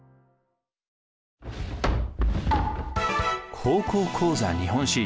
「高校講座日本史」。